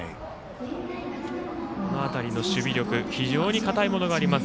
この辺りの守備力非常に堅いものがあります